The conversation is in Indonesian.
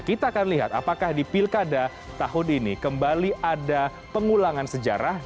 kita akan lihat apakah di pilkada tahun ini kembali ada pengulangan sejarah